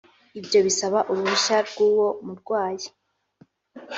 ibyo bisaba uruhushya rw’uwo murwayi